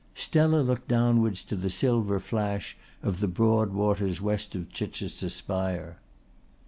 Stella looked downwards to the silver flash of the broad water west of Chichester spire.